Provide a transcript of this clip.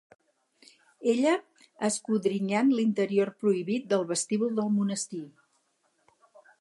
Ella, escodrinyant l'interior prohibit del vestíbul del monestir.